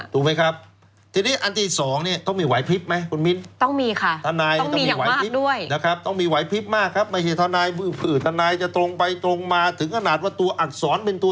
ถูกไหมครับทีนี้อันที่สองเนี่ยต้องมีไหวพลิบไหมคุณมิ้น